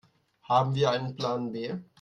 Haben wir einen Plan B?